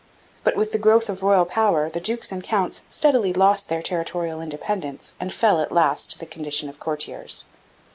But, with the growth of royal power, the dukes and counts steadily lost their territorial independence and fell at last to the condition of courtiers.